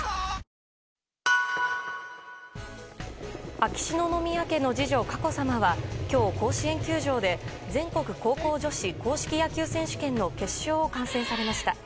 秋篠宮家の次女・佳子さまは今日、甲子園球場で全国高校女子硬式野球選手権の決勝を観戦されました。